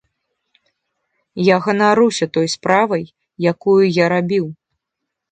Я ганаруся той справай, якую я рабіў.